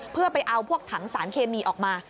เพื่อไปเอาพวกถังสารเคมีออกมา